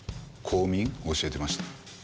公民教えてました。